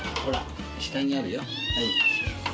下にあるよ。